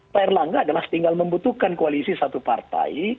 payarlangga adalah tinggal membutuhkan koalisi satu partai